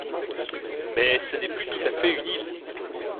Mais ce n'est plus tout à fait une île.